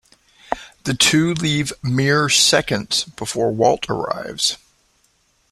The two leave mere seconds before Walt arrives.